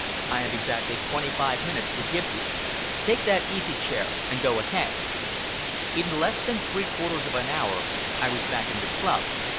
I have exactly twenty five minutes to give you. Take that easy chair and go ahead...." In less than three quarters of an hour, I was back in the club.